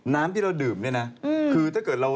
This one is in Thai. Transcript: น้ำที่เราดื่มเนี่ยนะ